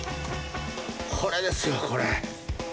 これですよこれ。